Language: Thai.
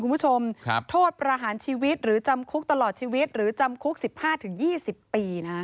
คุณผู้ชมโทษประหารชีวิตหรือจำคุกตลอดชีวิตหรือจำคุก๑๕๒๐ปีนะ